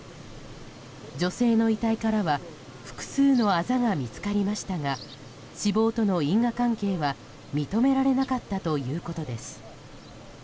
女性の遺体からは複数のあざが見つかりましたが死亡との因果関係は認められなかったということです。